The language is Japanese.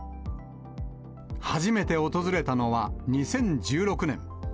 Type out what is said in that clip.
初めて訪れたのは２０１６年。